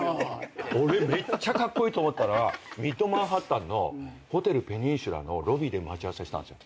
俺めっちゃカッコイイと思ったのはミッドマンハッタンのホテルペニンシュラのロビーで待ち合わせしたんですよ。